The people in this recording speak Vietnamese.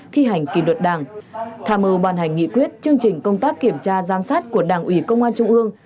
thi hành kỷ luật đảng tham mưu ban hành nghị quyết chương trình công tác kiểm tra giám sát của đảng ủy công an trung ương